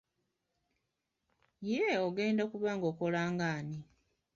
Ye ogenda kuba okola ng'ani?